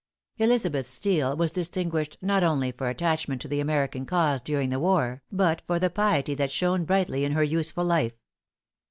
Elizabeth Steele was distinguished not only for attachment to the American cause during the war, but for the piety that shone brightly in her useful life.